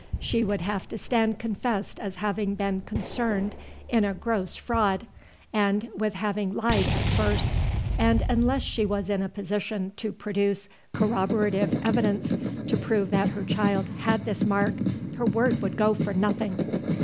She would have to stand confessed as having been concerned in a gross fraud, and with having lied at first; and unless she was in a position to produce corroborative evidence to prove that her child had this mark, her word would go for nothing.